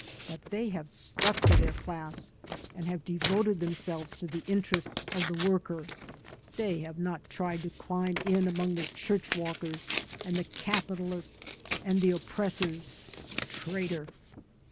But they have stuck to their class and have devoted themselves to the interests of the worker. They have not tried to climb in among the church walkers and the capitalists and the oppressors. Traitor!'